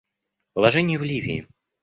Положение в Ливии.